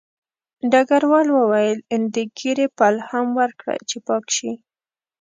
ډګروال وویل د ږیرې پل هم ورکړه چې پاک شي